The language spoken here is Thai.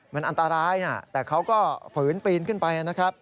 มันอันตรายแต่เขาก็ฝืนปีนขึ้นไป